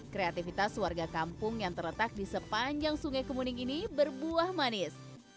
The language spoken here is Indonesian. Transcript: kreativitas warga kampung yang terletak di sepanjang sungai kemuning ini berbuah manis